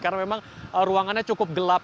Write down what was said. karena memang ruangannya cukup gelap